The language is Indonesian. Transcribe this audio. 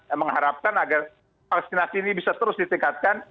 saya mengharapkan agar vaksinasi ini bisa terus ditingkatkan